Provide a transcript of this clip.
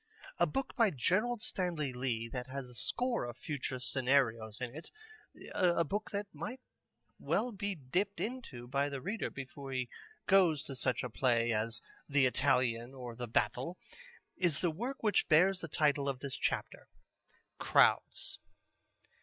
A book by Gerald Stanley Lee that has a score of future scenarios in it, a book that might well be dipped into by the reader before he goes to such a play as The Italian or The Battle, is the work which bears the title of this chapter: "Crowds."